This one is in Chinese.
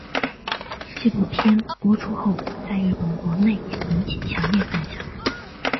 纪录片播出后在日本国内引起强烈反响。